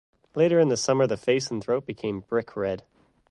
Later in the summer, the face and throat become brick-red.